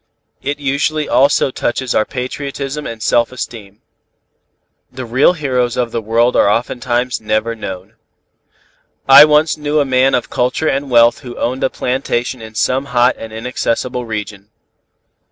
It usually also touches our patriotism and self esteem. The real heroes of the world are oftentimes never known. I once knew a man of culture and wealth who owned a plantation in some hot and inaccessible region.